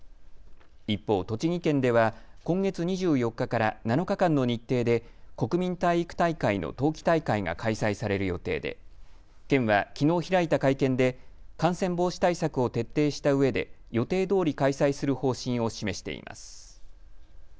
一方、栃木県では今月２４日から７日間の日程で国民体育大会の冬季大会が開催される予定で県はきのう開いた会見で感染防止対策を徹底したうえで予定どおり開催する方針を示しています。